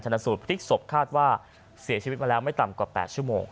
สูตพลิกศพคาดว่าเสียชีวิตมาแล้วไม่ต่ำกว่า๘ชั่วโมง